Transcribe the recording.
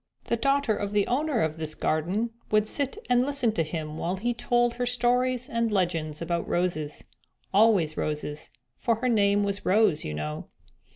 The daughter of the owner of this garden would sit and listen to him while he told her stories and legends about roses; always roses, for her name was Rose, you know."